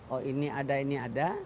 oh ini ada ini ada